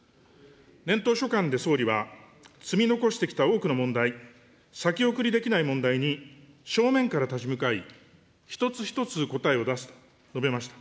年頭所感で総理は、積み残してきた多くの問題、先送りできない問題に正面から立ち向かい、一つ一つ答えを出すと述べました。